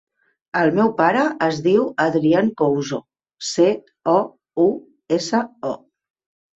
El meu pare es diu Adrián Couso: ce, o, u, essa, o.